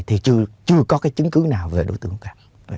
thì chưa có cái chứng cứ nào về đối tượng cả